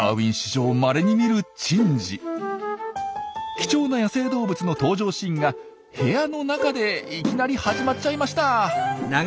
貴重な野生動物の登場シーンが部屋の中でいきなり始まっちゃいました。